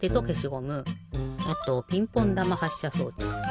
あとピンポンだまはっしゃ装置。